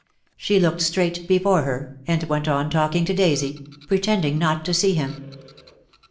She looked straight before her, and went on talking to Daisy, pretending not to see him.